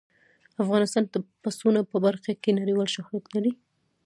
افغانستان د پسونو په برخه کې نړیوال شهرت لري.